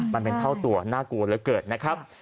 มันเป็นเท่าตัวน่ากลัวเหลือเกินนะครับ